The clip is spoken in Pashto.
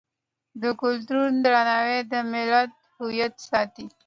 د کلتور درناوی د ملت هویت ساتي.